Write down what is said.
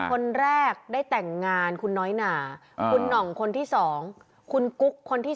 คนแรกได้แต่งงานคุณน้อยหนาคุณหน่องคนที่๒คุณกุ๊กคนที่